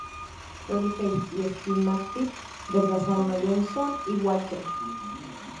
Ronnie Pace y Skip McPhee reemplazaron a Johnson y Walker.